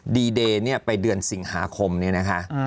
ดีเดย์ไปเดือนสิงหาคมนะคะ